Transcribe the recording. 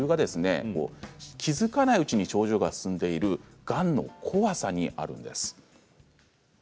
理由は、気付かないうちに症状が進行してしまうがんの怖さにあるんです。